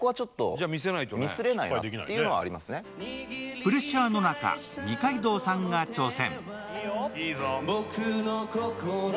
プレッシャーの中、二階堂さんが挑戦。